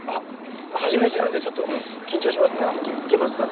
初めてなんでちょっと緊張しますね。